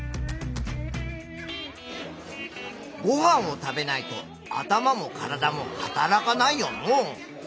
ごはんを食べないと頭も体も働かないよのう。